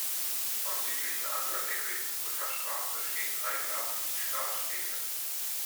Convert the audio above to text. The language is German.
Am südlichen Anfang der Königsbrücker Straße stehen drei Glas-Licht-Stahl-Stelen.